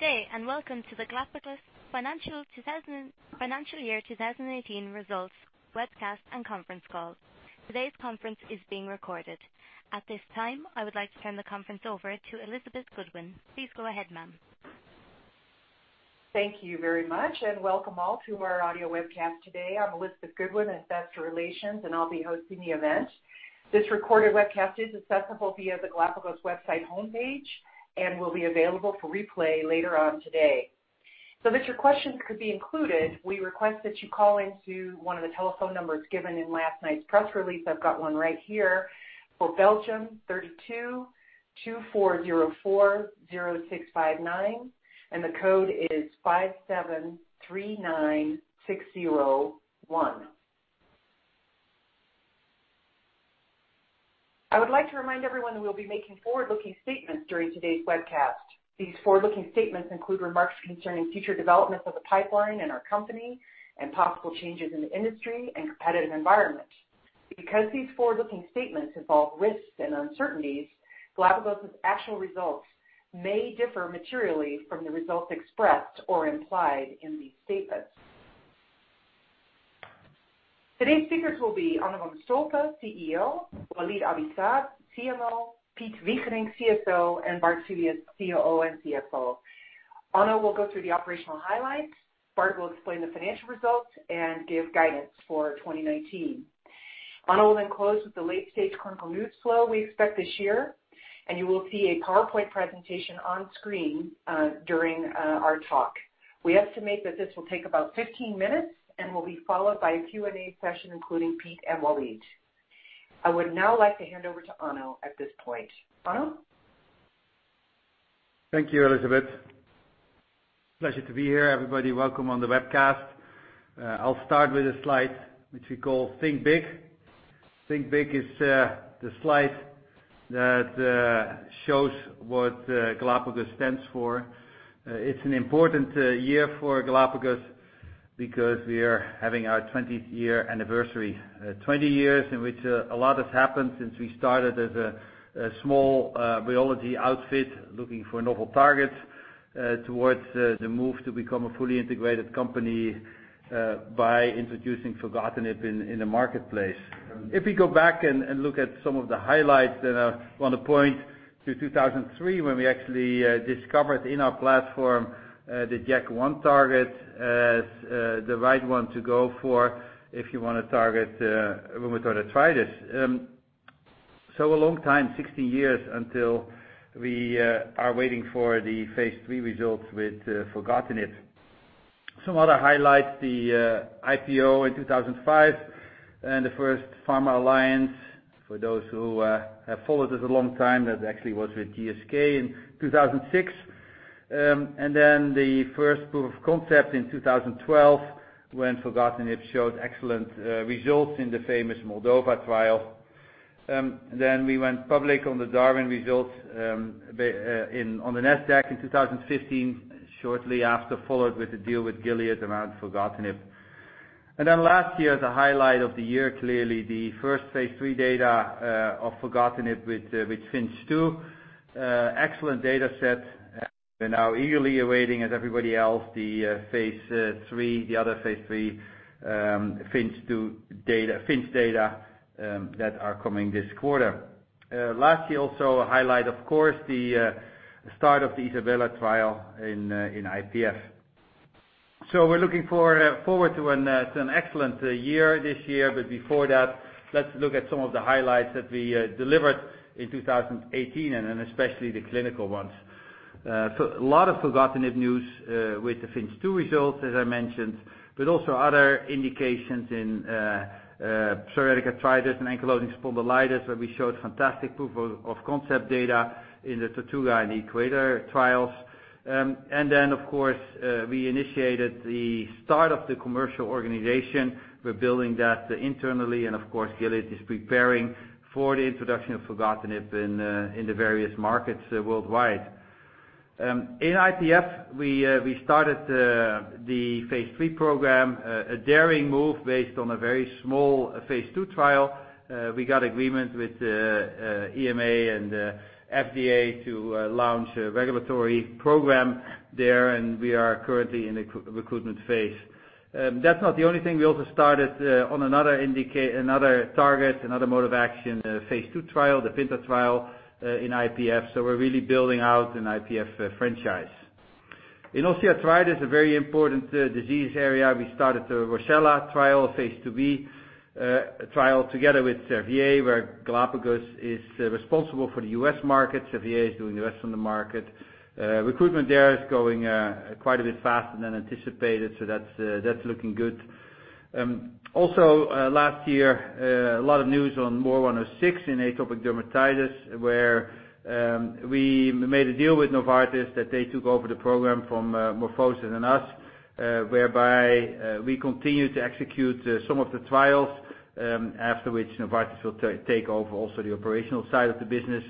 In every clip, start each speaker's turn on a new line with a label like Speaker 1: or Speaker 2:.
Speaker 1: Good day, and welcome to the Galapagos Financial Year 2018 Results Webcast and conference call. Today's conference is being recorded. At this time, I would like to turn the conference over to Elizabeth Goodwin. Please go ahead, ma'am.
Speaker 2: Thank you very much, and welcome all to our audio webcast today. I'm Elizabeth Goodwin, Investor Relations, and I'll be hosting the event. This recorded webcast is accessible via the Galapagos website homepage and will be available for replay later on today. That your questions could be included, we request that you call into one of the telephone numbers given in last night's press release. I've got one right here. For Belgium, 32-2404-0659, and the code is 5739601. I would like to remind everyone that we'll be making forward-looking statements during today's webcast. These forward-looking statements include remarks concerning future developments of the pipeline and our company, and possible changes in the industry and competitive environment. Because these forward-looking statements involve risks and uncertainties, Galapagos' actual results may differ materially from the results expressed or implied in these statements. Today's speakers will be Onno van de Stolpe, CEO, Walid Abi-Saab, CMO, Piet Wigerinck, CSO, and Bart Filius, COO and CFO. Onno will go through the operational highlights, Bart will explain the financial results and give guidance for 2019. Onno will close with the late-stage clinical news flow we expect this year, you will see a PowerPoint presentation on screen during our talk. We estimate that this will take about 15 minutes and will be followed by a Q&A session, including Piet and Walid. I would now like to hand over to Onno at this point. Onno?
Speaker 3: Thank you, Elizabeth. Pleasure to be here, everybody. Welcome on the webcast. I'll start with a slide which we call Think Big. Think Big is the slide that shows what Galapagos stands for. It's an important year for Galapagos because we are having our 20th year anniversary. 20 years in which a lot has happened since we started as a small biology outfit looking for novel targets towards the move to become a fully integrated company by introducing filgotinib in the marketplace. If we go back and look at some of the highlights, I want to point to 2003, when we actually discovered in our platform the JAK1 target as the right one to go for if you want to target rheumatoid arthritis. A long time, 16 years, until we are waiting for the phase III results with filgotinib. Some other highlights, the IPO in 2005 and the first pharma alliance for those who have followed us a long time. That actually was with GSK in 2006. And then the first proof of concept in 2012 when filgotinib showed excellent results in the famous Moldova trial. We went public on the DARWIN results on the Nasdaq in 2015, shortly after, followed with a deal with Gilead around filgotinib. And then last year, the highlight of the year, clearly the first phase III data of filgotinib with FINCH 2. Excellent data set. We're now eagerly awaiting, as everybody else, the phase III, the other phase III FINCH 2 data, FINCH data that are coming this quarter. Last year also a highlight, of course, the start of the ISABELA trial in IPF. We're looking forward to an excellent year this year, but before that, let's look at some of the highlights that we delivered in 2018 and especially the clinical ones. A lot of filgotinib news with the FINCH 2 results, as I mentioned, but also other indications in psoriatic arthritis and ankylosing spondylitis, where we showed fantastic proof of concept data in the TORTUGA and EQUATOR trials. And then of course, we initiated the start of the commercial organization. We're building that internally, and of course, Gilead is preparing for the introduction of filgotinib in the various markets worldwide. In IPF, we started the phase III program, a daring move based on a very small phase II trial. We got agreement with EMA and FDA to launch a regulatory program there, and we are currently in the recruitment phase. That's not the only thing. We also started on another target, another mode of action, phase II trial, the FINTA trial in IPF. We're really building out an IPF franchise. In osteoarthritis, a very important disease area, we started the ROCCELLA trial, phase II-b trial together with Servier, where Galapagos is responsible for the U.S. market. Servier is doing the rest of the market. Recruitment there is going quite a bit faster than anticipated, that's looking good. Also, last year, a lot of news on MOR106 in atopic dermatitis, where we made a deal with Novartis that they took over the program from MorphoSys and us, whereby we continue to execute some of the trials, after which Novartis will take over also the operational side of the business.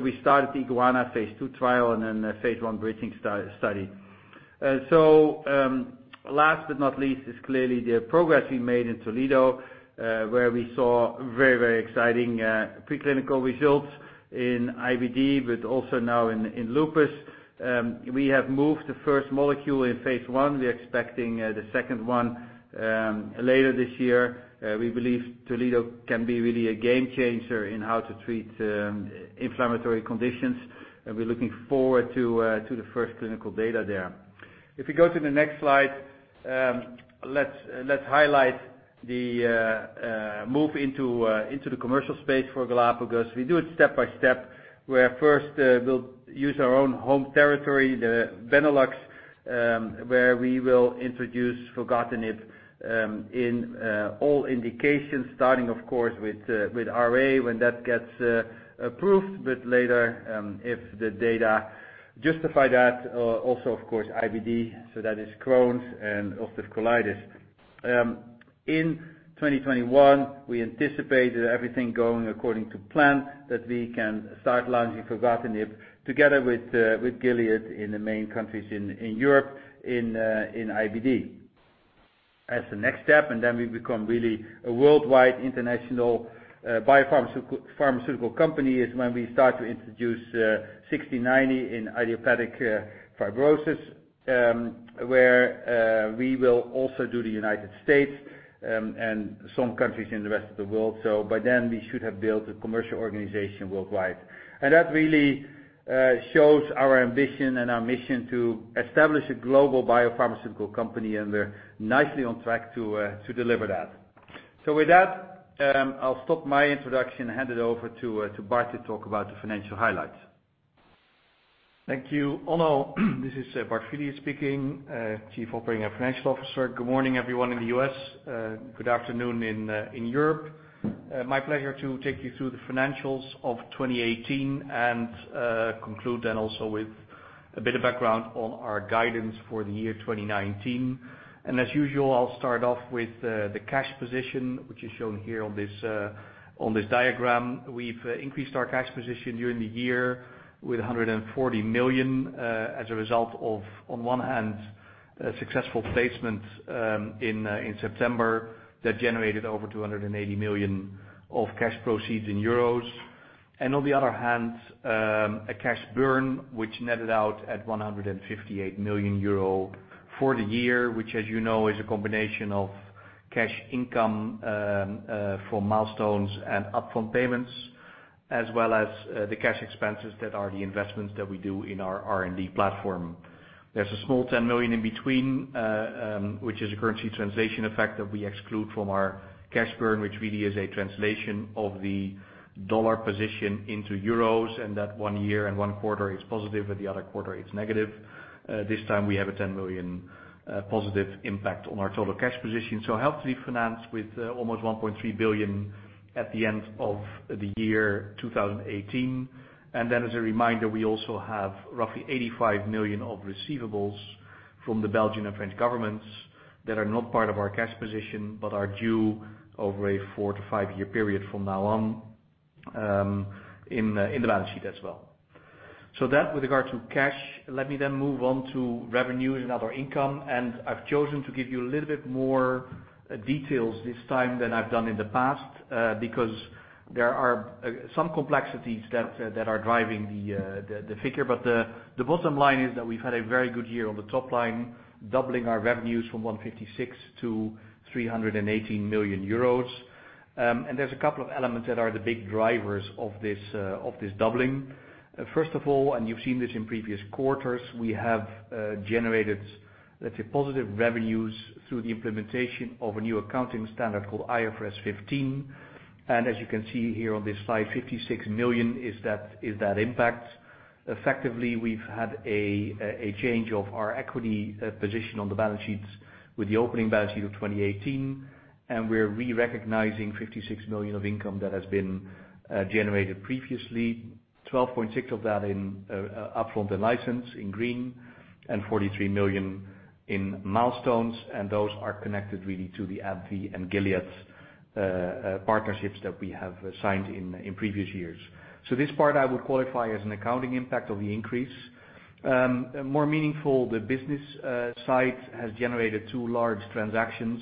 Speaker 3: We started the IGUANA phase II trial and then the phase I bridging study. Last but not least is clearly the progress we made in Toledo, where we saw very exciting preclinical results in IBD, but also now in lupus. We have moved the first molecule in phase I. We're expecting the second one later this year. We believe Toledo can be really a game changer in how to treat inflammatory conditions, and we're looking forward to the first clinical data there. If you go to the next slide, let's highlight the move into the commercial space for Galapagos. We do it step by step, where first we'll use our own home territory, the Benelux, where we will introduce filgotinib in all indications, starting of course with RA when that gets approved, but later, if the data justify that, also of course IBD, so that is Crohn's and ulcerative colitis. In 2021, we anticipated everything going according to plan, that we can start launching filgotinib together with Gilead in the main countries in Europe, in IBD. As the next step, then we become really a worldwide international biopharmaceutical company, is when we start to introduce GLPG1690 in idiopathic pulmonary fibrosis, where we will also do the U.S. and some countries in the rest of the world. By then, we should have built a commercial organization worldwide. And that really shows our ambition and our mission to establish a global biopharmaceutical company, and we're nicely on track to deliver that. With that, I'll stop my introduction and hand it over to Bart to talk about the financial highlights.
Speaker 4: Thank you, Onno. This is Bart Filius speaking, Chief Operating and Financial Officer. Good morning, everyone in the U.S. Good afternoon in Europe. My pleasure to take you through the financials of 2018 and conclude then also with a bit of background on our guidance for the year 2019. And as usual, I'll start off with the cash position, which is shown here on this diagram. We've increased our cash position during the year with 140 million as a result of, on one hand, a successful placement in September that generated over 280 million of cash proceeds. On the other hand, a cash burn which netted out at 158 million euro for the year, which as you know is a combination of cash income for milestones and upfront payments, as well as the cash expenses that are the investments that we do in our R&D platform. There's a small 10 million in between, which is a currency translation effect that we exclude from our cash burn, which really is a translation of the dollar position into Euro, and that one year and one quarter is positive, but the other quarter it's negative. This time we have a 10 million positive impact on our total cash position. Health refinance with almost 1.3 billion at the end of the year 2018. As a reminder, we also have roughly 85 million of receivables from the Belgian and French governments that are not part of our cash position but are due over a four to five-year period from now on in the balance sheet as well. That with regard to cash. Let me move on to revenues and other income. I've chosen to give you a little bit more details this time than I've done in the past, because there are some complexities that are driving the figure. The bottom line is that we've had a very good year on the top line, doubling our revenues from 156 million-318 million euros. There's a couple of elements that are the big drivers of this doubling. First of all, you've seen this in previous quarters, we have generated, let's say, positive revenues through the implementation of a new accounting standard called IFRS 15. As you can see here on this slide, 56 million is that impact. Effectively, we've had a change of our equity position on the balance sheets with the opening balance sheet of 2018. We're re-recognizing 56 million of income that has been generated previously, 12.6 million of that in upfront and license in green, 43 million in milestones. Those are connected really to the AbbVie and Gilead partnerships that we have signed in previous years. This part I would qualify as an accounting impact of the increase. More meaningful, the business side has generated two large transactions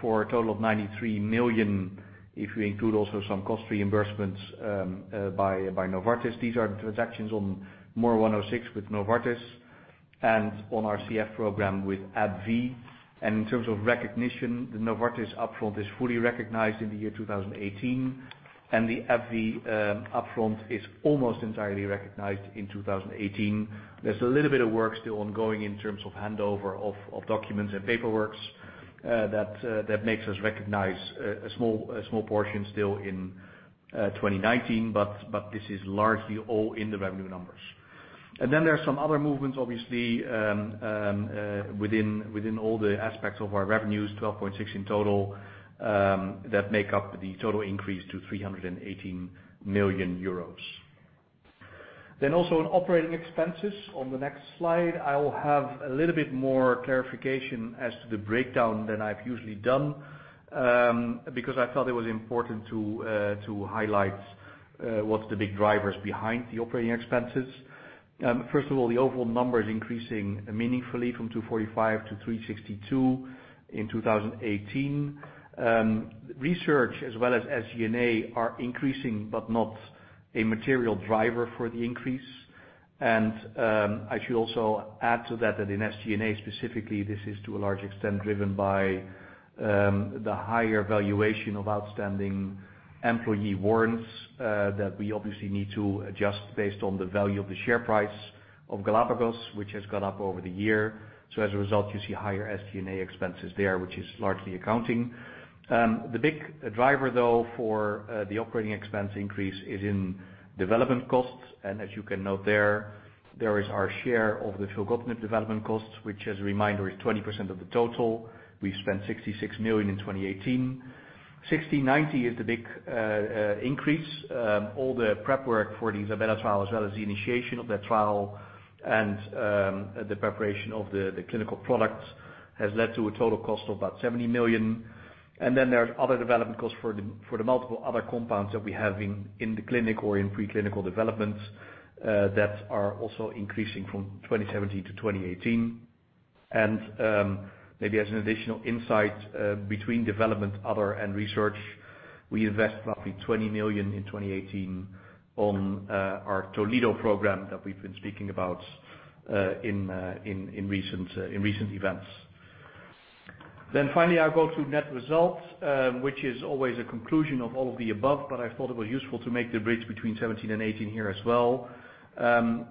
Speaker 4: for a total of 93 million, if we include also some cost reimbursements by Novartis. These are transactions on MOR106 with Novartis and on our CF program with AbbVie. In terms of recognition, the Novartis upfront is fully recognized in the year 2018, the AbbVie upfront is almost entirely recognized in 2018. There's a little bit of work still ongoing in terms of handover of documents and paperwork that makes us recognize a small portion still in 2019. But this is largely all in the revenue numbers. There are some other movements, obviously, within all the aspects of our revenues, 12.6 million in total, that make up the total increase to 318 million euros. Then also on operating expenses, on the next slide, I will have a little bit more clarification as to the breakdown than I've usually done, because I felt it was important to highlight what's the big drivers behind the operating expenses? First of all, the overall number is increasing meaningfully from 245 million-362 million in 2018. Research as well as SG&A are increasing, not a material driver for the increase. I should also add to that in SG&A specifically, this is to a large extent driven by the higher valuation of outstanding employee warrants, that we obviously need to adjust based on the value of the share price of Galapagos, which has gone up over the year. As a result, you see higher SG&A expenses there, which is largely accounting. The big driver though for the operating expense increase is in development costs. As you can note there is our share of the filgotinib development costs, which as a reminder, is 20% of the total. We spent 66 million in 2018. GLPG1690 is the big increase. All the prep work for the ISABELA trial as well as the initiation of that trial and the preparation of the clinical products has led to a total cost of about 70 million. There's other development costs for the multiple other compounds that we have in the clinic or in preclinical developments, that are also increasing from 2017 to 2018. Maybe as an additional insight between development, other and research, we invest roughly 20 million in 2018 on our Toledo program that we've been speaking about in recent events. Then finally, I'll go through net results, which is always a conclusion of all of the above, but I thought it was useful to make the bridge between 2017 and 2018 here as well.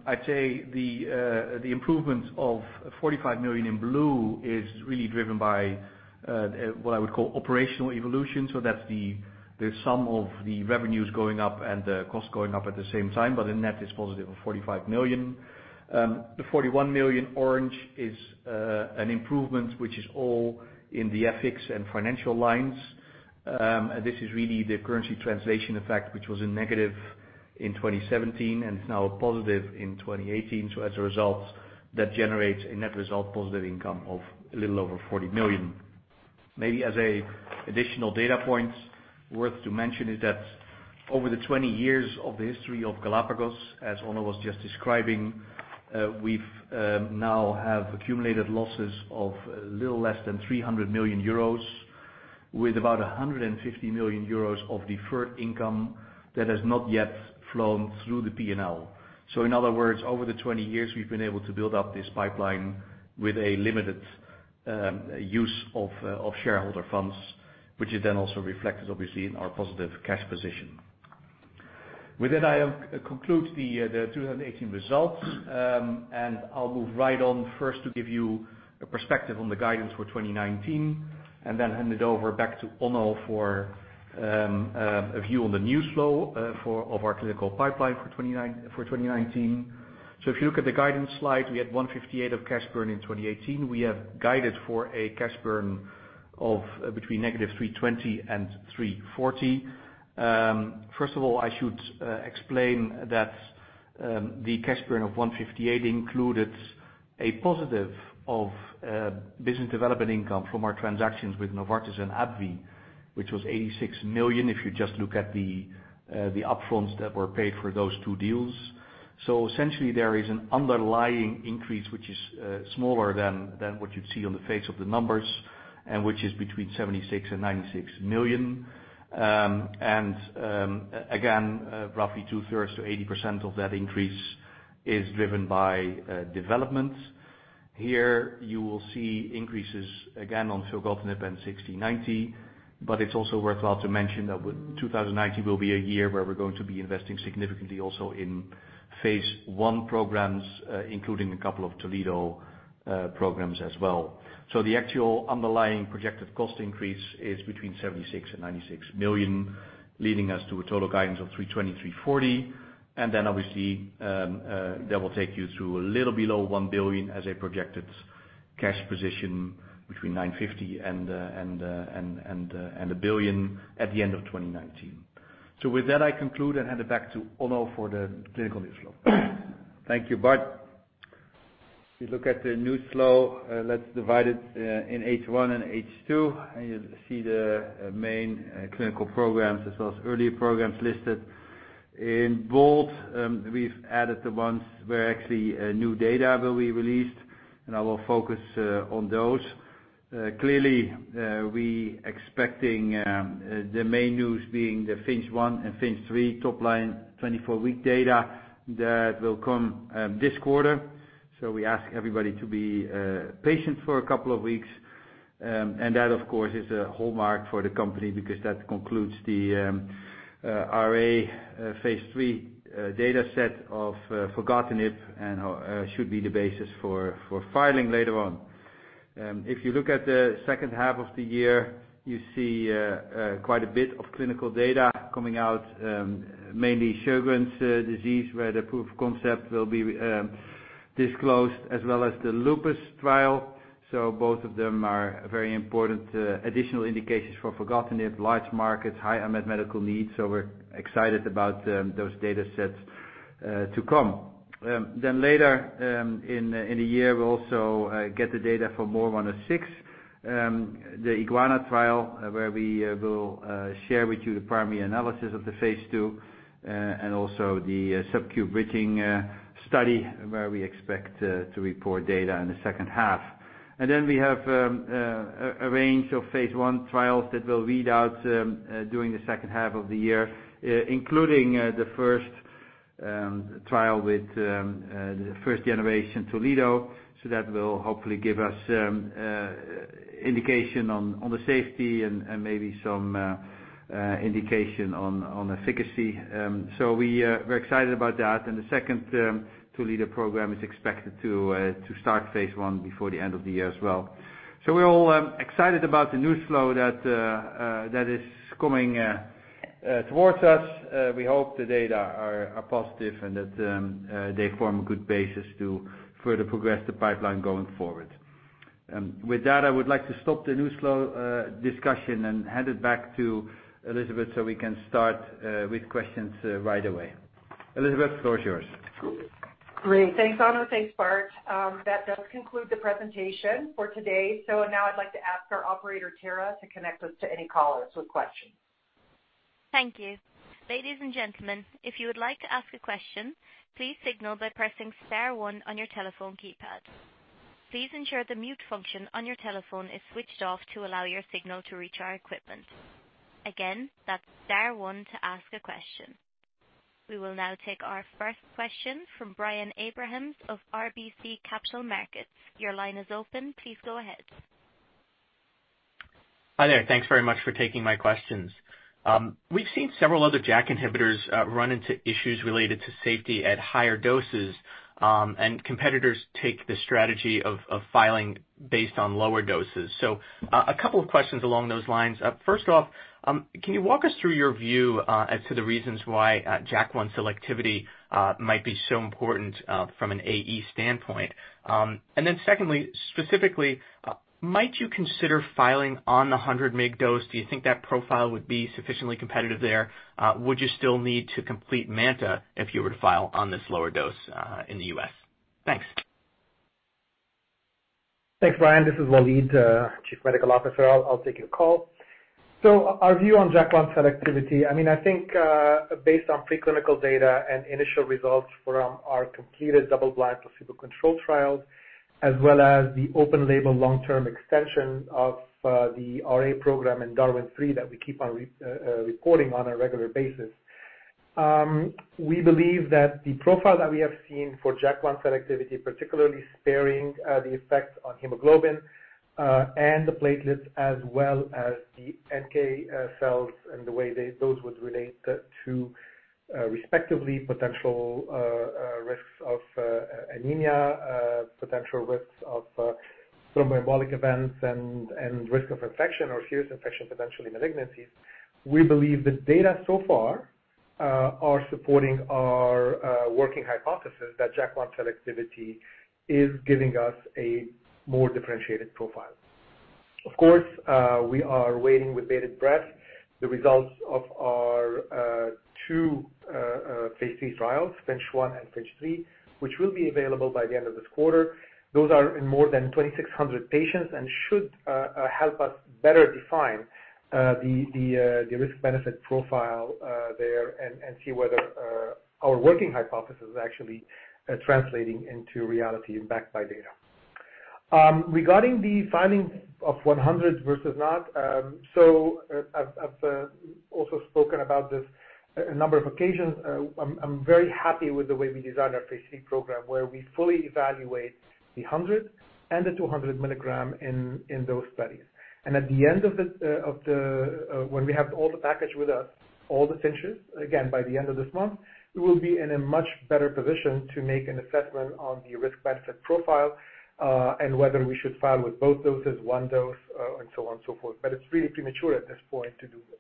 Speaker 4: I'd say the improvement of 45 million in blue is really driven by what I would call operational evolution, so that's the sum of the revenues going up and the cost going up at the same time. The net is positive of 45 million. The 41 million orange is an improvement, which is all in the ethics and financial lines. This is really the currency translation effect, which was a negative in 2017 and is now a positive in 2018. As a result, that generates a net result positive income of a little over 40 million. As an additional data point worth to mention is that over the 20 years of the history of Galapagos, as Onno was just describing, we've now have accumulated losses of a little less than 300 million euros with about 150 million euros of deferred income that has not yet flown through the P&L. In other words, over the 20 years, we've been able to build up this pipeline with a limited use of shareholder funds, which is then also reflected obviously in our positive cash position. With that, I conclude the 2018 results. I'll move right on first to give you a perspective on the guidance for 2019, and then hand it over back to Onno for a view on the news flow of our clinical pipeline for 2019. If you look at the guidance slide, we had 158 million of cash burn in 2018. We have guided for a cash burn of between negative 320 million and 340 million. First of all, I should explain that the cash burn of 158 million included a positive of business development income from our transactions with Novartis and AbbVie, which was 86 million, if you just look at the up-fronts that were paid for those two deals. Essentially, there is an underlying increase, which is smaller than what you'd see on the face of the numbers, and which is between 76 million and 96 million. Again, roughly 2/3 to 80% of that increase is driven by development. Here, you will see increases again on filgotinib and GLPG1690. It's also worthwhile to mention that 2019 will be a year where we're going to be investing significantly also in phase I programs, including a couple of Toledo programs as well. The actual underlying projected cost increase is between 76 million and 96 million, leading us to a total guidance of 320 million-340 million. Obviously, that will take you to a little below 1 billion as a projected cash position between 950 million and 1 billion at the end of 2019. With that, I conclude and hand it back to Onno for the clinical news flow.
Speaker 3: Thank you, Bart. If you look at the news flow, let's divide it in H1 and H2, and you'll see the main clinical programs as well as earlier programs listed. In bold, we've added the ones where actually new data will be released, and I will focus on those. Clearly, we expecting the main news being the phase I and phase III top line 24-week data that will come this quarter. We ask everybody to be patient for a couple of weeks. That, of course, is a hallmark for the company because that concludes the RA phase III data set of filgotinib and should be the basis for filing later on. If you look at the second half of the year, you see quite a bit of clinical data coming out, mainly Sjögren's disease, where the proof of concept will be disclosed as well as the lupus trial. Both of them are very important additional indications for filgotinib, large markets, high unmet medical needs. We're excited about those data sets to come. Then later in the year, we'll also get the data for MOR106, the IGUANA trial, where we will share with you the primary analysis of the phase II, and also the subcu bridging study where we expect to report data in the second half. We have a range of phase I trials that will read out during the second half of the year, including the first trial with the first generation Toledo. That will hopefully give us indication on the safety and maybe some indication on efficacy. The second Toledo program is expected to start phase I before the end of the year as well. We're all excited about the news flow that is coming towards us. We hope the data are positive and that they form a good basis to further progress the pipeline going forward. With that, I would like to stop the news flow discussion and hand it back to Elizabeth, so we can start with questions right away. Elizabeth, the floor is yours.
Speaker 2: Great. Thanks, Onno. Thanks, Bart. That does conclude the presentation for today. Now, I'd like to ask our operator, Tara, to connect us to any callers with questions.
Speaker 1: Thank you. Ladies and gentlemen, if you would like to ask a question, please signal by pressing star one on your telephone keypad. Please ensure the mute function on your telephone is switched off to allow your signal to reach our equipment. Again, that's star one to ask a question. We will now take our first question from Brian Abrahams of RBC Capital Markets. Your line is open. Please go ahead.
Speaker 5: Hi there. Thanks very much for taking my questions. We've seen several other JAK inhibitors run into issues related to safety at higher doses, and competitors take the strategy of filing based on lower doses. A couple of questions along those lines. First off, can you walk us through your view as to the reasons why JAK1 selectivity might be so important from an AE standpoint? Secondly, specifically, might you consider filing on the 100 mg dose? Do you think that profile would be sufficiently competitive there? Would you still need to complete MANTA if you were to file on this lower dose in the U.S.? Thanks.
Speaker 6: Thanks, Brian. This is Walid, Chief Medical Officer. I'll take your call. Our view on JAK1 selectivity, I think, based on preclinical data and initial results from our completed double-blind placebo-controlled trials, as well as the open label long-term extension of the RA program in DARWIN 3 that we keep on reporting on a regular basis. We believe that the profile that we have seen for JAK1 selectivity, particularly sparing the effects on hemoglobin, and the platelets as well as the NK cells, and the way those would relate to respectively potential risks of anemia, potential risks of thromboembolic events and risk of infection or serious infection, potentially malignancies. We believe the data so far are supporting our working hypothesis that JAK1 selectivity is giving us a more differentiated profile. Of course, we are waiting with bated breath the results of our two phase III trials, FINCH 1 and FINCH 3, which will be available by the end of this quarter. Those are in more than 2,600 patients and should help us better define the risk-benefit profile there and see whether our working hypothesis is actually translating into reality and backed by data. Regarding the filing of 100 versus not, I've also spoken about this a number of occasions. I'm very happy with the way we designed our phase III program, where we fully evaluate the 100 and the 200 milligram in those studies. At the end, when we have all the package with us, all the FINCHs, again, by the end of this month, we will be in a much better position to make an assessment on the risk-benefit profile, and whether we should file with both doses, one dose, and so on and so forth. It's really premature at this point to do this.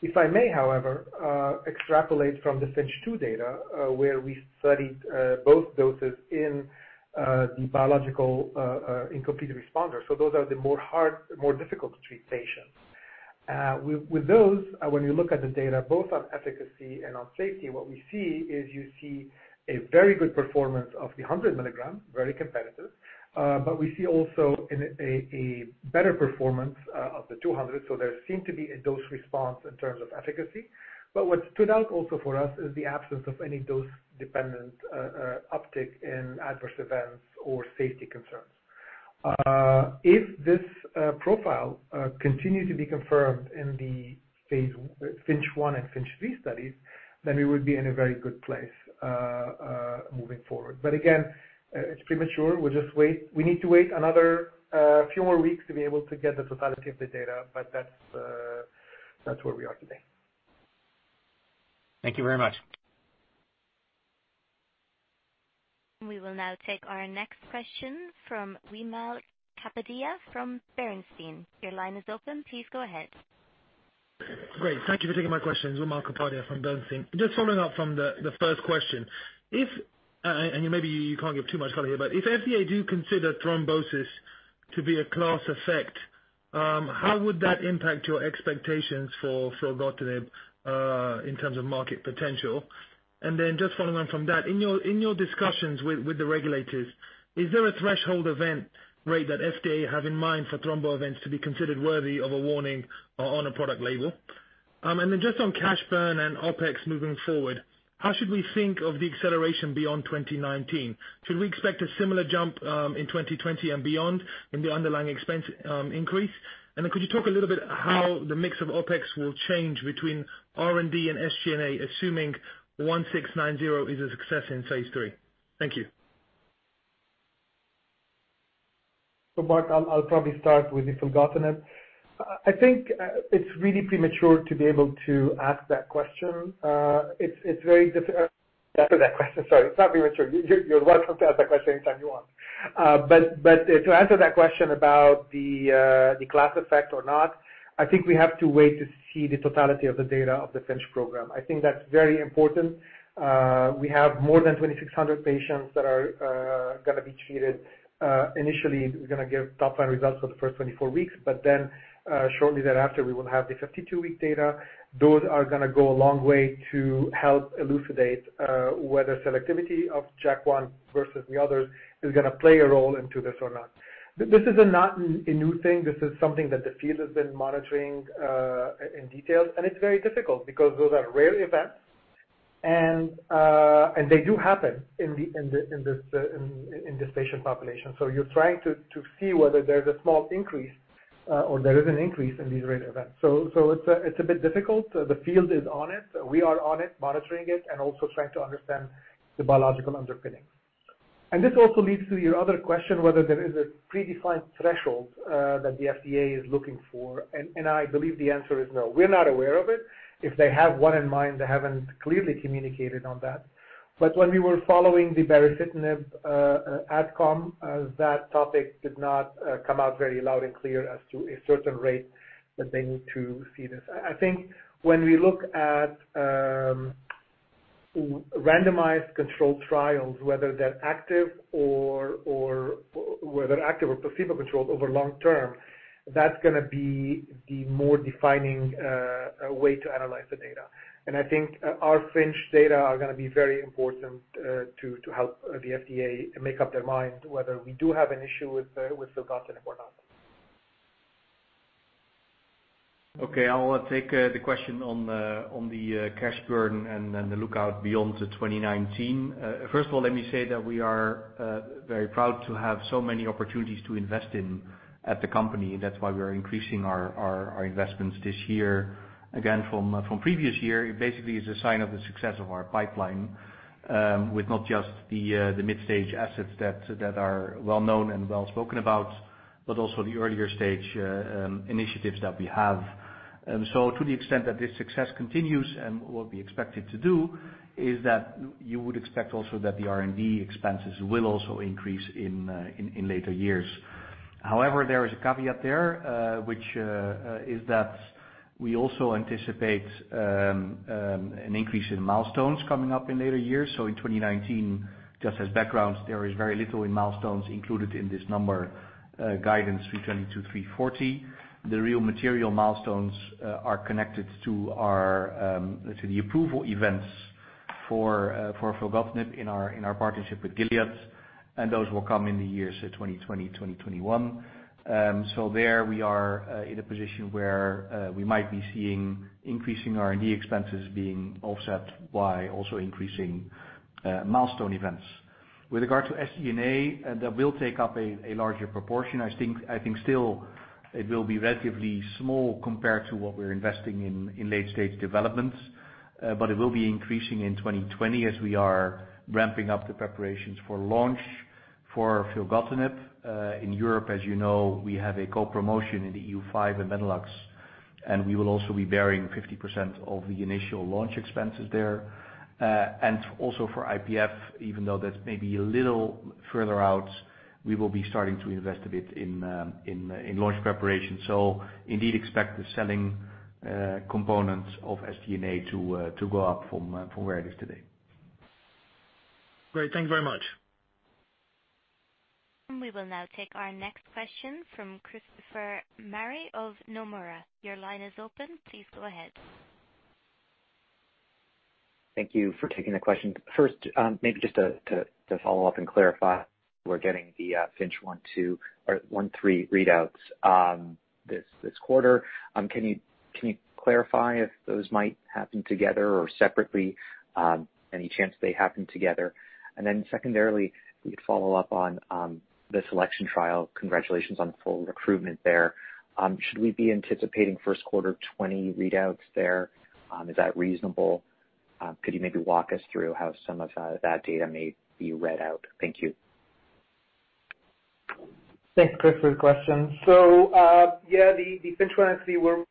Speaker 6: If I may, however, extrapolate from the FINCH 2 data, where we studied both doses in the biological incomplete responder. Those are the more difficult-to-treat patients. With those, when you look at the data both on efficacy and on safety, what we see is you see a very good performance of the 100 mg, very competitive. We see also a better performance of the 200. There seem to be a dose response in terms of efficacy. What stood out also for us is the absence of any dose-dependent uptick in adverse events or safety concerns. If this profile continues to be confirmed in the phase FINCH 1 and FINCH 3 studies, we would be in a very good place moving forward. But again, it's premature. We need to wait another few more weeks to be able to get the totality of the data, that's where we are today.
Speaker 5: Thank you very much.
Speaker 1: We will now take our next question from Wimal Kapadia from Bernstein. Your line is open. Please go ahead.
Speaker 7: Great. Thank you for taking my questions. Wimal Kapadia from Bernstein. Just following up from the first question. Maybe you can't give too much color here, but if FDA do consider thrombosis to be a class effect- How would that impact your expectations for filgotinib in terms of market potential? And then just following on from that, in your discussions with the regulators, is there a threshold event rate that FDA have in mind for thrombo events to be considered worthy of a warning on a product label? And then just on cash burn and OpEx moving forward, how should we think of the acceleration beyond 2019? Should we expect a similar jump in 2020 and beyond in the underlying expense increase? Could you talk a little bit how the mix of OpEx will change between R&D and SG&A, assuming GLPG1690 is a success in phase III? Thank you.
Speaker 6: Wimal, I'll probably start with the filgotinib. I think it's really premature to be able to ask that question. It's very diffi- Sorry, it's not premature. You're welcome to ask that question anytime you want. But to answer that question about the class effect or not, I think we have to wait to see the totality of the data of the FINCH program. I think that's very important. We have more than 2,600 patients that are going to be treated. Initially, we're going to give top line results for the first 24 weeks, then shortly thereafter, we will have the 52-week data. Those are going to go a long way to help elucidate whether selectivity of JAK1 versus the others is going to play a role into this or not. This is not a new thing. This is something that the field has been monitoring in detail, it's very difficult because those are rare events and they do happen in this patient population. You're trying to see whether there's a small increase or there is an increase in these rare events. It's a bit difficult. The field is on it. We are on it, monitoring it, also trying to understand the biological underpinning. This also leads to your other question, whether there is a predefined threshold that the FDA is looking for, I believe the answer is no. We're not aware of it. If they have one in mind, they haven't clearly communicated on that. When we were following the baricitinib adcom, that topic did not come out very loud and clear as to a certain rate that they need to see this. I think when we look at randomized control trials, whether active or placebo-controlled over long term, that's going to be the more defining way to analyze the data. I think our FINCH data are going to be very important to help the FDA make up their mind whether we do have an issue with filgotinib or not.
Speaker 4: Okay, I will take the question on the cash burn and the lookout beyond 2019. First of all, let me say that we are very proud to have so many opportunities to invest in at the company. That's why we're increasing our investments this year. Again, from previous year, it basically is a sign of the success of our pipeline with not just the mid-stage assets that are well known and well spoken about, but also the earlier stage initiatives that we have. To the extent that this success continues and will be expected to do, is that you would expect also that the R&D expenses will also increase in later years. However, there is a caveat there, which is that we also anticipate an increase in milestones coming up in later years. In 2019, just as background, there is very little in milestones included in this number guidance 322-340. The real material milestones are connected to the approval events for filgotinib in our partnership with Gilead, those will come in the years 2020, 2021. There we are in a position where we might be seeing increasing R&D expenses being offset by also increasing milestone events. With regard to SG&A, that will take up a larger proportion. I think still it will be relatively small compared to what we're investing in late-stage developments. It will be increasing in 2020 as we are ramping up the preparations for launch for filgotinib. In Europe, as you know, we have a co-promotion in the EU5 and Benelux, we will also be bearing 50% of the initial launch expenses there. Also for IPF, even though that's maybe a little further out, we will be starting to invest a bit in launch preparation. Indeed expect the selling components of SG&A to go up from where it is today.
Speaker 7: Great. Thank you very much.
Speaker 1: We will now take our next question from Christopher Marai of Nomura. Your line is open. Please go ahead.
Speaker 8: Thank you for taking the question. First, maybe just to follow up and clarify, we're getting the FINCH 1 and FINCH 3 readouts this quarter. Can you clarify if those might happen together or separately? Any chance they happen together? And then secondarily, if we could follow up on the SELECTION trial. Congratulations on the full recruitment there. Should we be anticipating first quarter 2020 readouts there? Is that reasonable? Could you maybe walk us through how some of that data may be read out? Thank you.
Speaker 6: Thanks, Chris, for the question. Yeah, the FINCH 1 and FINCH 3 will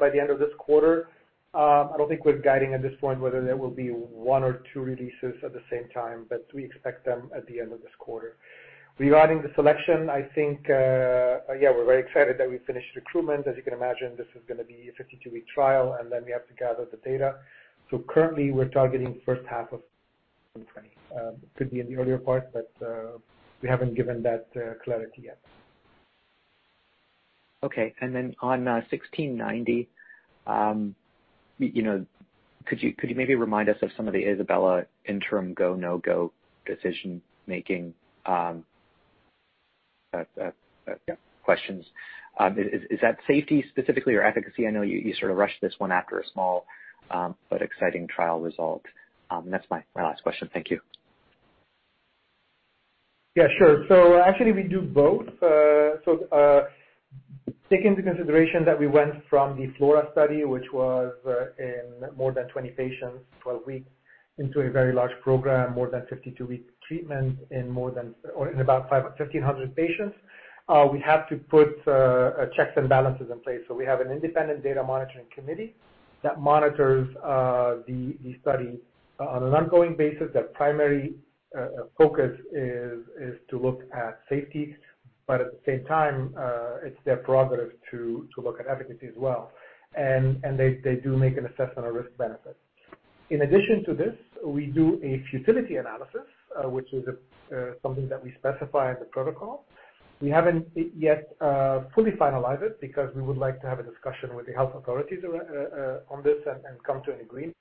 Speaker 6: by the end of this quarter. I don't think we're guiding at this point whether there will be one or two releases at the same time, but we expect them at the end of this quarter. Regarding the SELECTION, I think, yeah, we're very excited that we finished recruitment. As you can imagine, this is going to be a 52-week trial. We have to gather the data. Currently, we're targeting first half of 2020. Could be in the earlier part, but we haven't given that clarity yet.
Speaker 8: Okay, and then on GLPG1690, could you maybe remind us of some of the ISABELA interim go, no-go decision making questions? Is that safety specifically or efficacy? I know you sort of rushed this one after a small, but exciting trial result. That's my last question. Thank you.
Speaker 6: Yeah, sure. Actually, we do both. Take into consideration that we went from the FLORA study, which was in more than 20 patients, 12 weeks, into a very large program, more than 52 weeks treatment in about 1,500 patients. We have to put checks and balances in place. We have an independent data monitoring committee that monitors the study on an ongoing basis. Their primary focus is to look at safety. But at the same time, it's their prerogative to look at efficacy as well. And they do make an assessment of risk-benefit. In addition to this, we do a futility analysis, which is something that we specify in the protocol. We haven't yet fully finalized it because we would like to have a discussion with the health authorities on this and come to an agreement.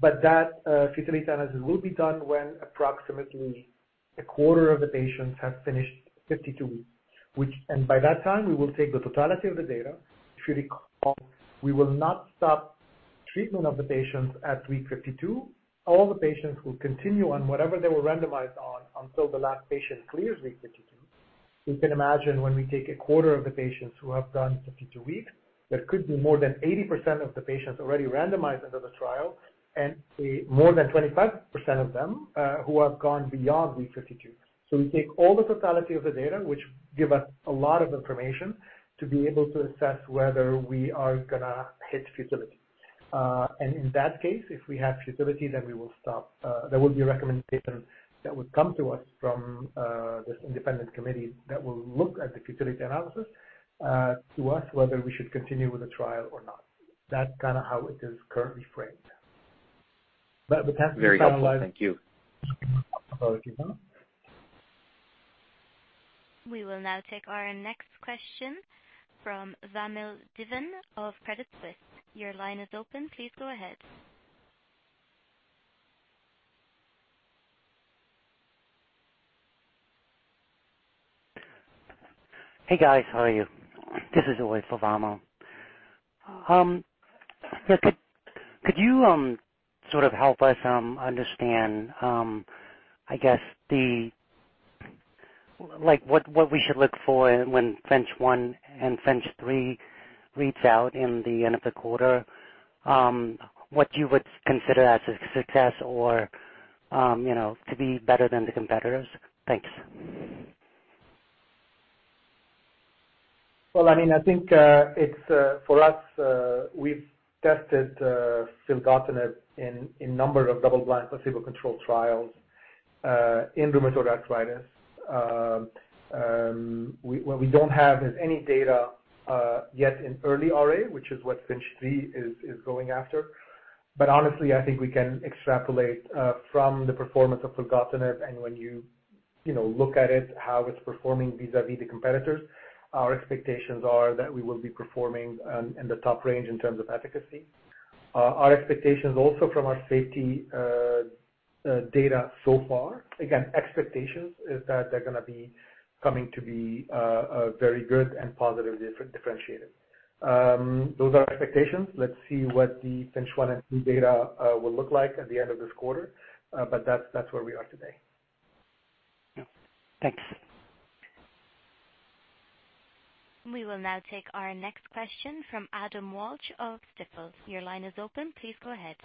Speaker 6: But that futility analysis will be done when approximately a quarter of the patients have finished 52. By that time, we will take the totality of the data. If you recall, we will not stop treatment of the patients at week 52. All the patients will continue on whatever they were randomized on until the last patient clears week 52. You can imagine when we take a quarter of the patients who have done 52 weeks, there could be more than 80% of the patients already randomized into the trial, and more than 25% of them who have gone beyond week 52. So we take all the totality of the data, which give us a lot of information to be able to assess whether we are going to hit futility. In that case, if we have futility, we will stop. There will be a recommendation that would come to us from this independent committee that will look at the futility analysis to us, whether we should continue with the trial or not. That's kind of how it is currently framed. It has to be finalized.
Speaker 8: Very helpful. Thank you.
Speaker 6: Apologies.
Speaker 1: We will now take our next question from Vamil Divan of Credit Suisse. Your line is open. Please go ahead.
Speaker 9: Hey, guys. How are you? This is Vamil. Could you sort of help us understand, I guess, what we should look for when FINCH 1 and FINCH 3 reads out in the end of the quarter? What you would consider as a success or to be better than the competitors? Thanks.
Speaker 6: Well, I mean, I think, it's, for us, we've tested filgotinib in a number of double-blind placebo-controlled trials in rheumatoid arthritis. What we don't have is any data yet in early RA, which is what FINCH 3 is going after. But Honestly, I think we can extrapolate from the performance of filgotinib and when you look at it, how it's performing vis-à-vis the competitors. Our expectations are that we will be performing in the top range in terms of efficacy. Our expectations also from our safety data so far, again, expectations, is that they're going to be coming to be very good and positively differentiated. Those are our expectations. Let's see what the FINCH 1 and 3 data will look like at the end of this quarter. That's where we are today.
Speaker 9: Yeah. Thanks.
Speaker 1: We will now take our next question from Adam Walsh of Stifel. Your line is open. Please go ahead.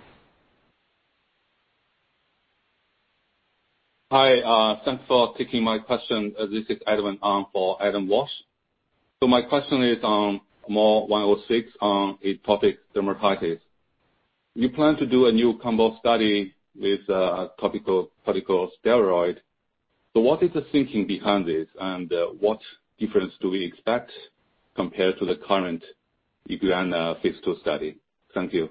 Speaker 10: Hi. Thanks for taking my question. This is Edwin on for Adam Walsh. My question is on MOR106 on atopic dermatitis. You plan to do a new combo study with a topical steroid. What is the thinking behind this, and what difference do we expect compared to the current IGUANA phase II study? Thank you.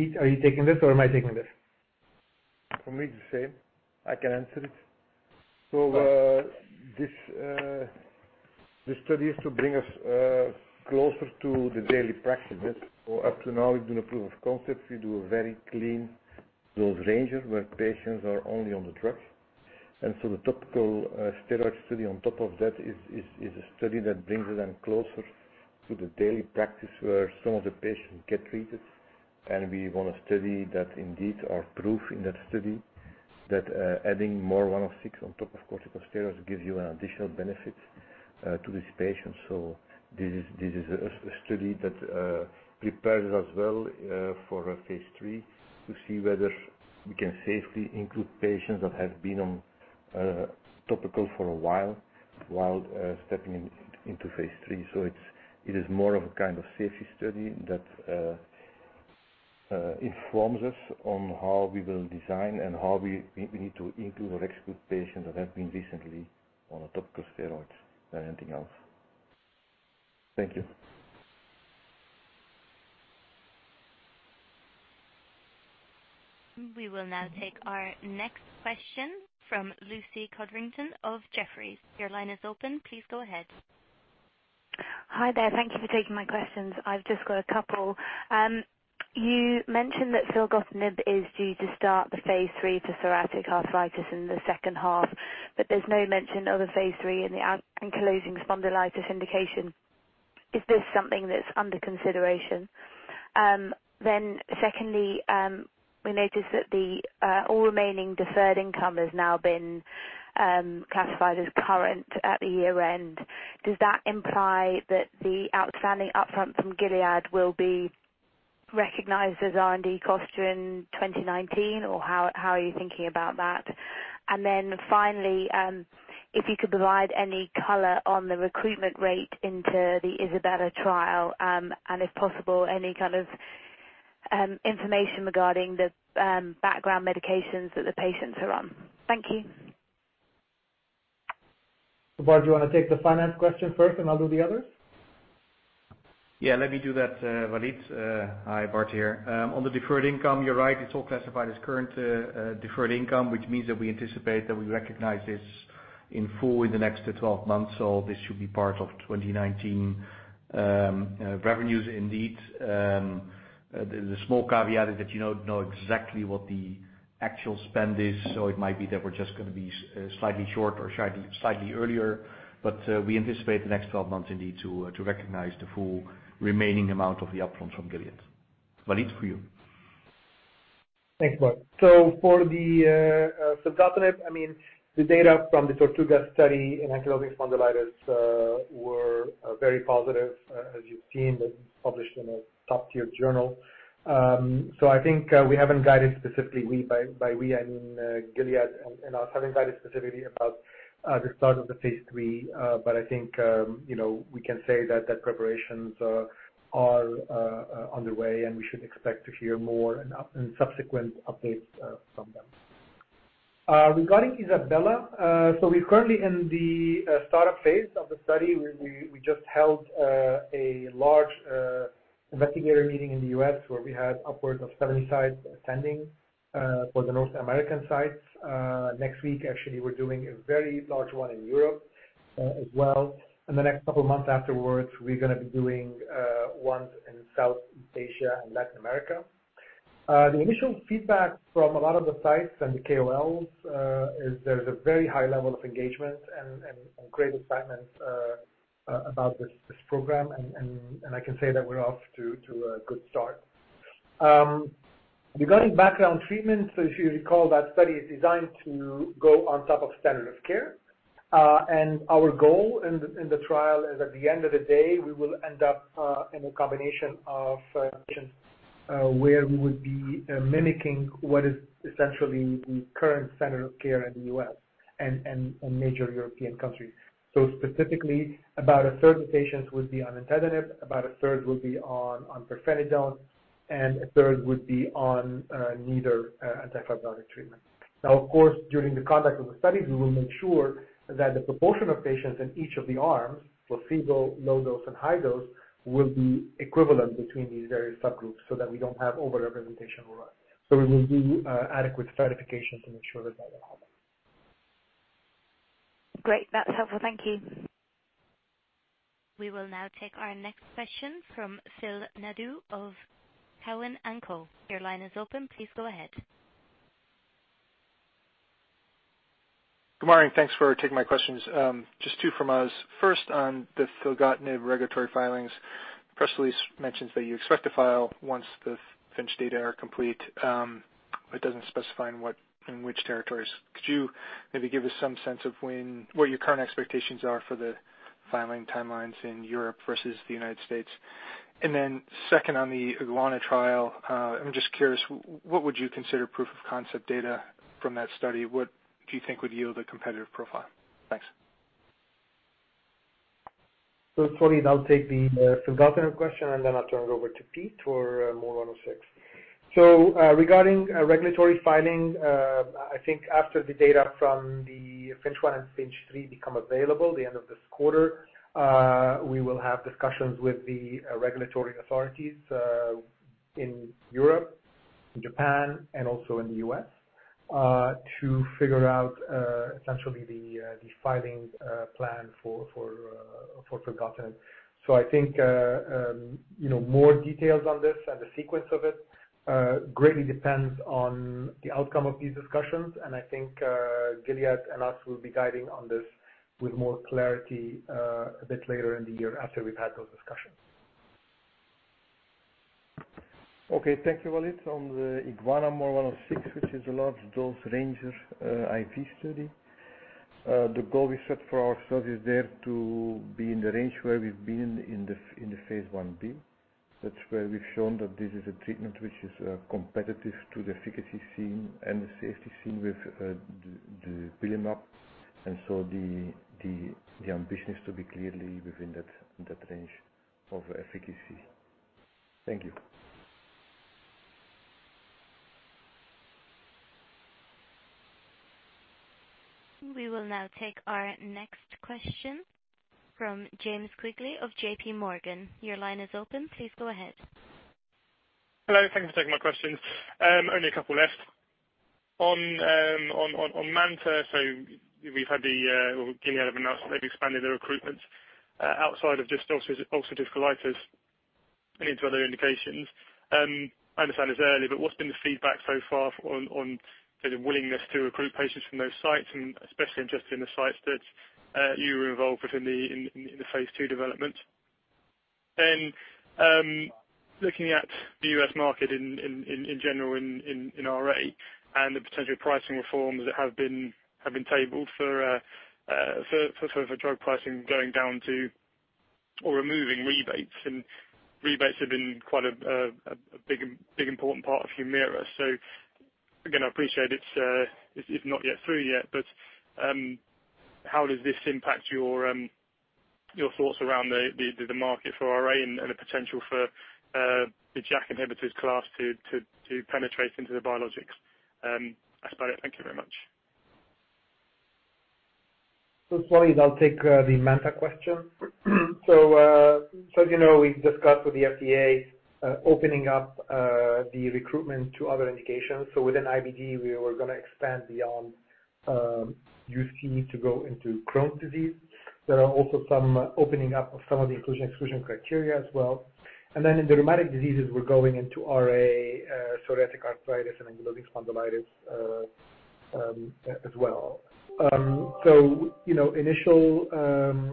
Speaker 6: Piet, are you taking this or am I taking this?
Speaker 11: This study is to bring us closer to the daily practice. Up to now, we're doing a proof of concept. We do a very clean dose ranger where patients are only on the drugs. The topical steroid study on top of that is a study that brings us then closer to the daily practice where some of the patients get treated. We want to study that indeed our proof in that study that adding MOR106 on top of corticosteroids gives you an additional benefit to this patient. This is a study that prepares us well for phase III to see whether we can safely include patients that have been on topical for a while stepping into phase III. It is more of a kind of safety study that Informs us on how we will design and how we need to include or exclude patients that have been recently on a topical steroid than anything else. Thank you.
Speaker 1: We will now take our next question from Lucy Codrington of Jefferies. Your line is open. Please go ahead.
Speaker 12: Hi there. Thank you for taking my questions. I've just got a couple. You mentioned that filgotinib is due to start the phase III to psoriatic arthritis in the second half, but there's no mention of a phase III in the ankylosing spondylitis indication. Is this something that's under consideration? Then secondly, we noticed that the all remaining deferred income has now been classified as current at the year-end. Does that imply that the outstanding upfront from Gilead will be recognized as R&D cost in 2019? How are you thinking about that? And then finally, if you could provide any color on the recruitment rate into the ISABELA trial, and if possible, any kind of information regarding the background medications that the patients are on. Thank you.
Speaker 6: Bart, do you want to take the finance question first and I'll do the others?
Speaker 4: Yeah, let me do that, Walid. Hi, Bart here. On the deferred income, you're right, it's all classified as current deferred income, which means that we anticipate that we recognize this in full in the next 12 months. This should be part of 2019 revenues indeed. The small caveat is that you don't know exactly what the actual spend is, it might be that we're just going to be slightly short or slightly earlier. We anticipate the next 12 months indeed to recognize the full remaining amount of the upfront from Gilead. Walid, for you.
Speaker 6: Thanks, Bart. For the filgotinib, the data from the TORTUGA study in ankylosing spondylitis were very positive, as you've seen, published in a top-tier journal. I think we haven't guided specifically, by we, I mean, Gilead and us, haven't guided specifically about the start of the phase III. I think, we can say that the preparations are underway, and we should expect to hear more and subsequent updates from them. Regarding ISABELA, we're currently in the startup phase of the study. We just held a large investigator meeting in the U.S. where we had upwards of 70 sites attending for the North American sites. Next week, actually, we're doing a very large one in Europe as well. In the next couple of months afterwards, we're going to be doing ones in South Asia and Latin America. The initial feedback from a lot of the sites and the KOLs, is there's a very high level of engagement and great excitement about this program. I can say that we're off to a good start. Regarding background treatment, if you recall, that study is designed to go on top of standard of care. And our goal in the trial is, at the end of the day, we will end up in a combination of patients where we would be mimicking what is essentially the current standard of care in the U.S. and major European countries. Specifically, about 1/3 of patients would be on nintedanib, about 1/3 would be on pirfenidone, and 1/3 would be on neither anti-fibrotic treatment. Of course, during the conduct of the study, we will make sure that the proportion of patients in each of the arms, placebo, low dose, and high dose, will be equivalent between these various subgroups so that we don't have over-representation. We will do adequate stratification to make sure that that will happen.
Speaker 12: Great. That's helpful. Thank you.
Speaker 1: We will now take our next question from Philip Nadeau of Cowen and Co. Your line is open. Please go ahead.
Speaker 13: Good morning. Thanks for taking my questions. Just two from us. First, on the filgotinib regulatory filings. Press release mentions that you expect to file once the FINCH data are complete. It doesn't specify in which territories. Could you maybe give us some sense of what your current expectations are for the filing timelines in Europe versus the United States? Second on the IGUANA trial, I'm just curious, what would you consider proof of concept data from that study? What do you think would yield a competitive profile? Thanks.
Speaker 6: Sorry, I'll take the filgotinib question, then I'll turn it over to Piet for MOR106. Regarding regulatory filing, I think after the data from the FINCH 1 and FINCH3 become available, the end of this quarter, we will have discussions with the regulatory authorities, in Europe, in Japan, and also in the U.S., to figure out essentially the filing plan for filgotinib. I think more details on this and the sequence of it greatly depends on the outcome of these discussions. Gilead and us will be guiding on this with more clarity a bit later in the year after we've had those discussions.
Speaker 11: Okay. Thank you, Walid. On the IGUANA MOR106, which is a large dose-ranging I.V. study. The goal we set for ourselves is there to be in the range where we've been in the phase I-b. That's where we've shown that this is a treatment which is competitive to the efficacy seen and the safety seen with dupilumab. The ambition is to be clearly within that range of efficacy. Thank you.
Speaker 1: We will now take our next question from James Quigley of JPMorgan. Your line is open. Please go ahead.
Speaker 14: Hello. Thank you for taking my questions. Only a couple left. On MANTA, we've had Gilead announce they've expanded their recruitments outside of just ulcerative colitis and into other indications. I understand it's early, but what's been the feedback so far on the willingness to recruit patients from those sites, and especially interested in the sites that you were involved with in the phase II development? Looking at the U.S. market in general, in RA, and the potential pricing reforms that have been tabled for drug pricing going down to, or removing rebates. Rebates have been quite a big important part of Humira. Again, I appreciate it's not yet through yet, but how does this impact your thoughts around the market for RA and the potential for the JAK inhibitors class to penetrate into the biologics? That's about it. Thank you very much.
Speaker 11: Walid, I'll take the MANTA question. As you know, we've discussed with the FDA, opening up the recruitment to other indications. Within IBD, we were going to expand beyond UC to go into Crohn's disease. There are also some opening up of some of the inclusion/exclusion criteria as well. Then in the rheumatic diseases, we're going into RA, psoriatic arthritis, and ankylosing spondylitis as well. Initial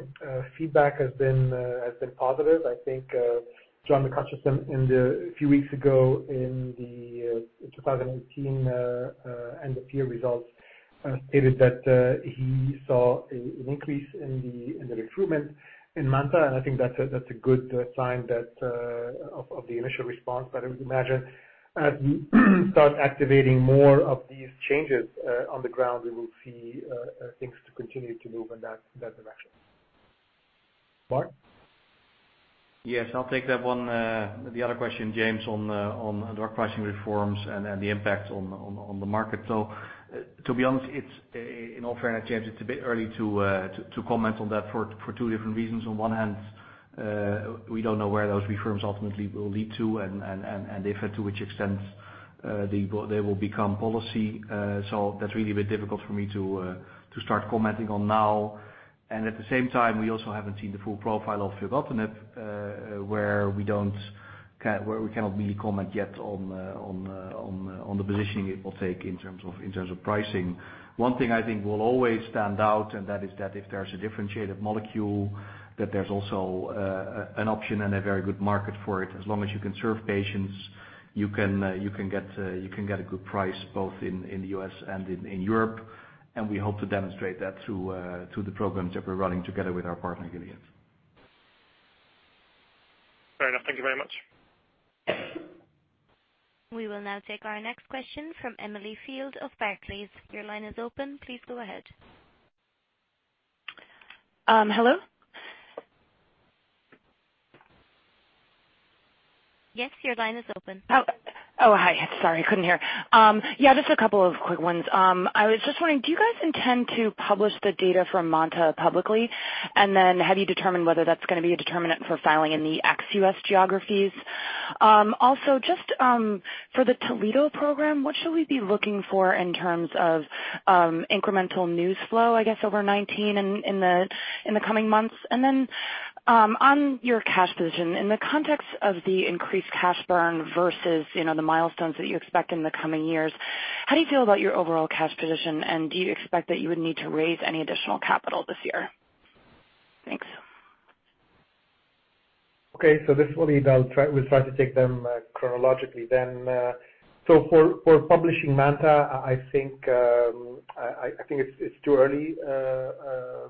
Speaker 11: feedback has been positive. I think John McHutchison, a few weeks ago in the 2018 end of year results, stated that he saw an increase in the recruitment in MANTA, and I think that's a good sign of the initial response. I would imagine as we start activating more of these changes on the ground, we will see things to continue to move in that direction. Bart?
Speaker 4: Yes, I'll take that one. The other question, James, on drug pricing reforms and the impact on the market. To be honest, in all fairness, James, it's a bit early to comment on that for two different reasons. On one hand, we don't know where those reforms ultimately will lead to and if and to which extent they will become policy. That's really a bit difficult for me to start commenting on now. At the same time, we also haven't seen the full profile of filgotinib, where we cannot really comment yet on the positioning it will take in terms of pricing. One thing I think will always stand out, and that is that if there is a differentiated molecule, that there's also an option and a very good market for it. As long as you can serve patients, you can get a good price both in the U.S. and in Europe. We hope to demonstrate that through the programs that we're running together with our partner, Gilead.
Speaker 14: Fair enough. Thank you very much.
Speaker 1: We will now take our next question from Emily Field of Barclays. Your line is open. Please go ahead.
Speaker 15: Hello?
Speaker 1: Yes, your line is open.
Speaker 15: Oh, hi. Sorry, couldn't hear. Yeah, just a couple of quick ones. I was just wondering, do you guys intend to publish the data from MANTA publicly? Then have you determined whether that's going to be a determinant for filing in the ex-U.S. geographies? Also, just for the Toledo program, what should we be looking for in terms of incremental news flow, I guess, over 2019 in the coming months? And then on your cash position, in the context of the increased cash burn versus the milestones that you expect in the coming years, how do you feel about your overall cash position, and do you expect that you would need to raise any additional capital this year? Thanks.
Speaker 6: Okay. This is Walid. We'll try to take them chronologically then. For publishing MANTA, I think it's too early to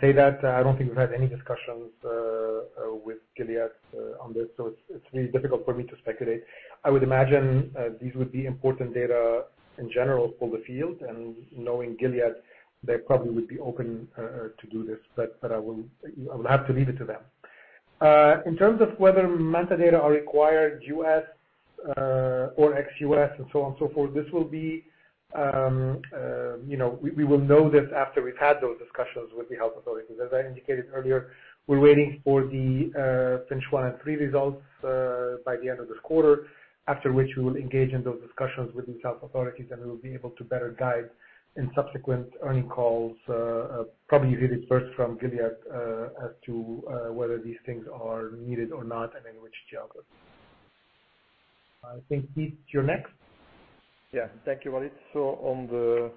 Speaker 6: say that. I don't think we've had any discussions with Gilead on this, so it's really difficult for me to speculate. I would imagine these would be important data in general for the field, and knowing Gilead, they probably would be open to do this, but I'll have to leave it to them. In terms of whether MANTA data are required U.S. or ex-U.S. and so on and so forth, we will know this after we've had those discussions with the health authorities. As I indicated earlier, we're waiting for the FINCH 1 and 3 results by the end of this quarter, after which we will engage in those discussions with these health authorities. We will be able to better guide in subsequent earning calls, probably you hear this first from Gilead, as to whether these things are needed or not, and in which geographies. I think, Piet, you're next.
Speaker 11: Thank you, Walid. On the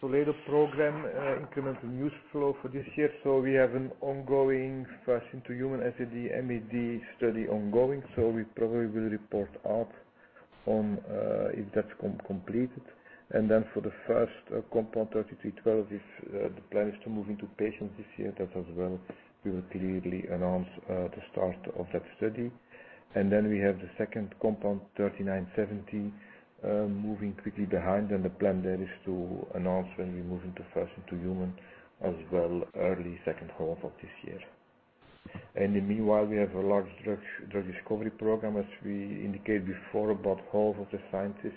Speaker 11: Toledo program incremental news flow for this year. We have an ongoing first-into-human SAD/MAD study ongoing. We probably will report out on if that's completed. Then for the first compound GLPG3312, the plan is to move into patients this year. That as well, we will clearly announce the start of that study. And then we have the second compound GLPG3970, moving quickly behind. The plan there is to announce when we move into first-into-human as well, early second half of this year. In the meanwhile, we have a large drug discovery program, as we indicated before, about half of the scientists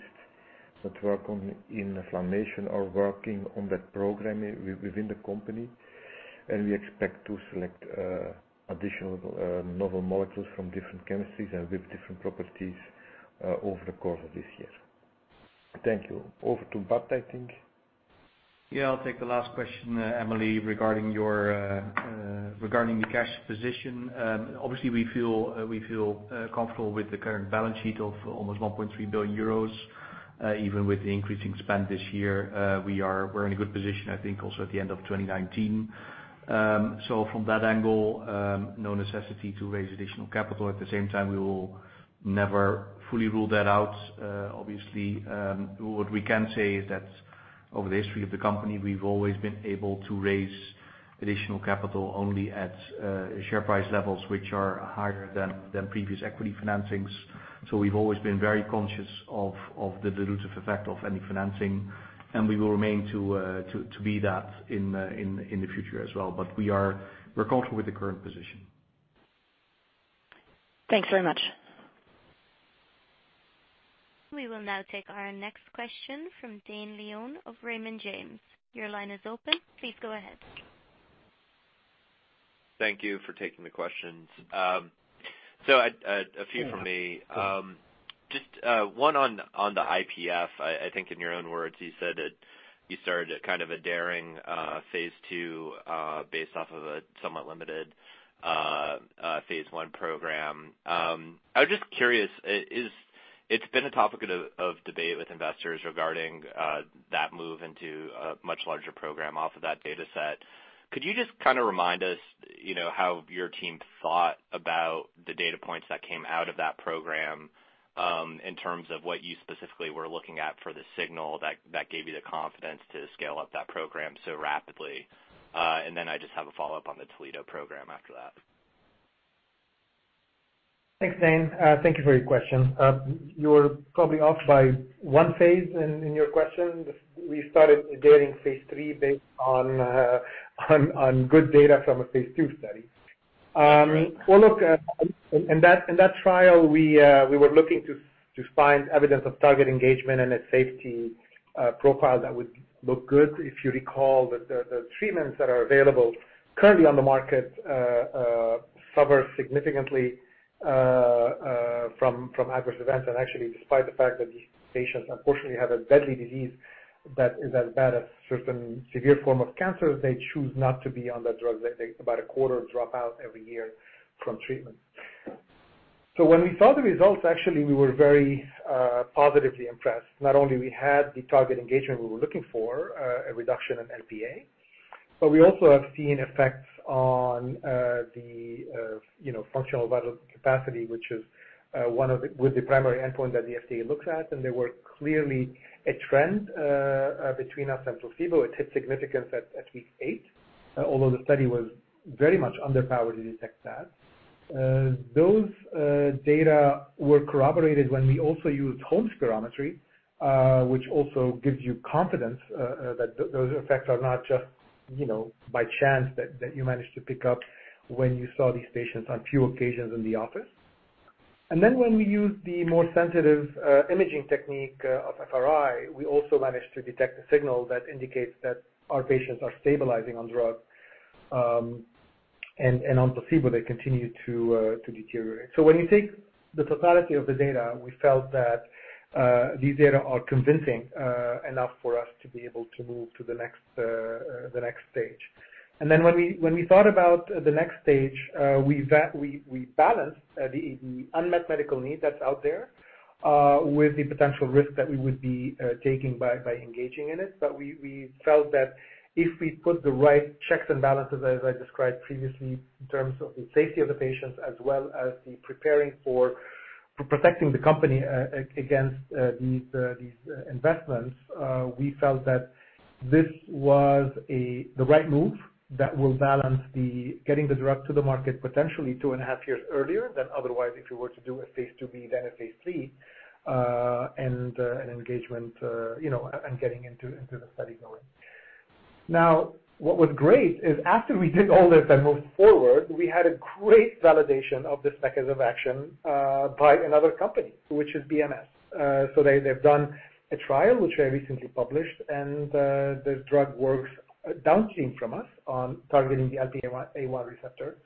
Speaker 11: that work in inflammation are working on that program within the company. And we expect to select additional novel molecules from different chemistries and with different properties over the course of this year. Thank you. Over to Bart, I think.
Speaker 4: I'll take the last question, Emily, regarding your, regarding the cash position. Obviously, we feel comfortable with the current balance sheet of almost 1.3 billion euros, even with the increasing spend this year. We're in a good position, I think, also at the end of 2019. From that angle, no necessity to raise additional capital. At the same time, we will never fully rule that out. Obviously, what we can say is that over the history of the company, we've always been able to raise additional capital only at share price levels which are higher than previous equity financings. We've always been very conscious of the dilutive effect of any financing, and we will remain to be that in the future as well. We're comfortable with the current position.
Speaker 15: Thanks very much.
Speaker 1: We will now take our next question from Dane Leone of Raymond James. Your line is open. Please go ahead.
Speaker 16: Thank you for taking the questions. A few from me. Sure. Just one on the IPF. I think in your own words, you said that you started at kind of a daring phase II, based off of a somewhat limited phase I program. I was just curious, it's been a topic of debate with investors regarding that move into a much larger program off of that data set. Could you just remind us how your team thought about the data points that came out of that program, in terms of what you specifically were looking at for the signal that gave you the confidence to scale up that program so rapidly? And then I just have a follow-up on the Toledo program after that.
Speaker 6: Thanks, Dane. Thank you for your question. You're probably off by one phase in your question. We started DARWIN phase III based on good data from a phase II study.
Speaker 16: Okay.
Speaker 6: Well, look, in that trial, we were looking to find evidence of target engagement and a safety profile that would look good. If you recall, the treatments that are available currently on the market suffer significantly from adverse events. Actually, despite the fact that these patients unfortunately have a deadly disease that is as bad as certain severe form of cancers, they choose not to be on that drug. About a quarter drop out every year from treatment. When we saw the results, actually, we were very positively impressed. Not only we had the target engagement we were looking for, a reduction in LPA, but we also have seen effects on the functional vital capacity, which is with the primary endpoint that the FDA looks at. There were clearly a trend between us and placebo. It hit significance at week eight. Although the study was very much underpowered to detect that. Those data were corroborated when we also used home spirometry, which also gives you confidence that those effects are not just by chance that you managed to pick up when you saw these patients on few occasions in the office. And then when we used the more sensitive imaging technique of FRI, we also managed to detect a signal that indicates that our patients are stabilizing on drug, and on placebo, they continue to deteriorate. When you take the totality of the data, we felt that these data are convincing enough for us to be able to move to the next stage. And then when we thought about the next stage, we balanced the unmet medical need that's out there with the potential risk that we would be taking by engaging in it. But we felt that if we put the right checks and balances, as I described previously, in terms of the safety of the patients as well as the preparing for protecting the company against these investments, we felt that this was the right move that will balance the getting the drug to the market potentially two and a half years earlier than otherwise if you were to do a phase II-b than a phase III, and engagement, and getting into the study going. Now, what was great is after we did all this and moved forward, we had a great validation of this mechanism action by another company, which is BMS. They've done a trial, which they recently published, and the drug works downstream from us on targeting the LPA1 receptor.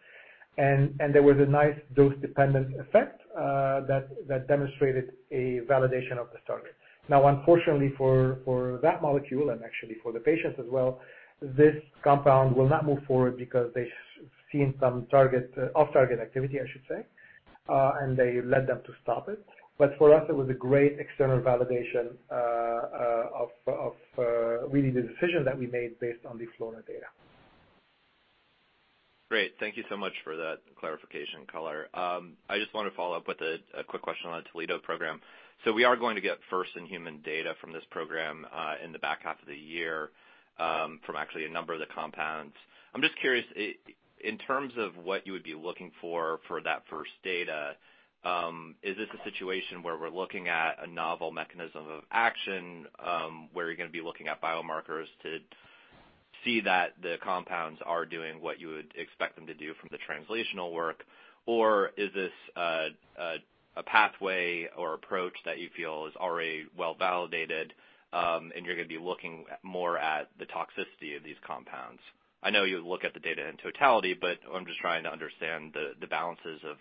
Speaker 6: There was a nice dose-dependent effect that demonstrated a validation of this target. Now, unfortunately for that molecule and actually for the patients as well, this compound will not move forward because they've seen some off-target activity, I should say, and they led them to stop it. For us, it was a great external validation of really the decision that we made based on the FLORA data.
Speaker 16: Great. Thank you so much for that clarification color. I just want to follow up with a quick question on the Toledo program. We are going to get first-in-human data from this program in the back half of the year from actually a number of the compounds. I'm just curious, in terms of what you would be looking for that first data, is this a situation where we're looking at a novel mechanism of action, where you're going to be looking at biomarkers to see that the compounds are doing what you would expect them to do from the translational work, or is this a pathway or approach that you feel is already well-validated and you're going to be looking more at the toxicity of these compounds? I know you look at the data in totality, but I'm just trying to understand the balances of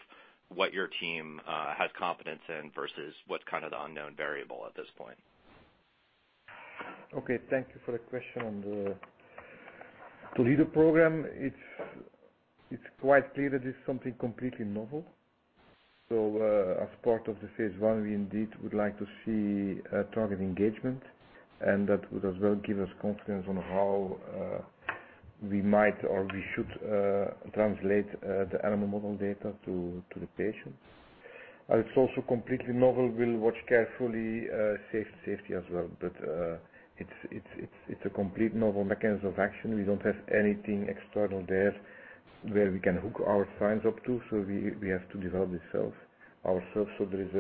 Speaker 16: what your team has competence in versus what's the unknown variable at this point.
Speaker 11: Okay. Thank you for the question. On the Toledo program, it's quite clear that it's something completely novel. As part of the phase I, we indeed would like to see a target engagement, and that would as well give us confidence on how we might or we should translate the animal model data to the patient. It's also completely novel. We'll watch carefully safety as well. But it's a complete novel mechanism of action. We don't have anything external there where we can hook our science up to, so we have to develop it ourselves. There is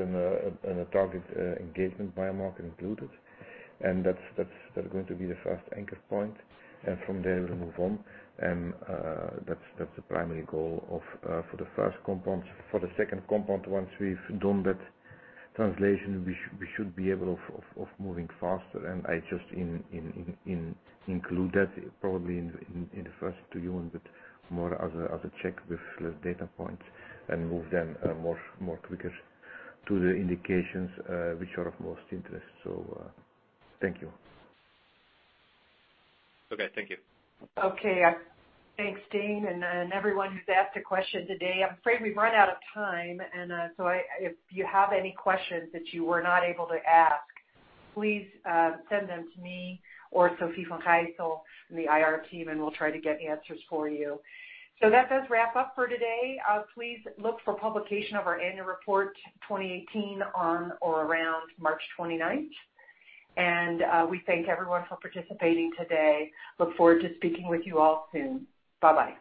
Speaker 11: a target engagement biomarker included, and that's going to be the first anchor point. From there, we'll move on. That's the primary goal for the first compounds. For the second compound, once we've done that translation, we should be able of moving faster. I just include that probably in the first to human, but more as a check with data points and move then more quicker to the indications which are of most interest. Thank you.
Speaker 16: Okay, thank you.
Speaker 2: Okay. Thanks, Dane, and everyone who's asked a question today. I'm afraid we've run out of time, if you have any questions that you were not able to ask, please send them to me or Sofie van Gijsel from the IR team, and we'll try to get the answers for you. That does wrap up for today. Please look for publication of our annual report 2018 on or around March 29th. We thank everyone for participating today. Look forward to speaking with you all soon. Bye-bye.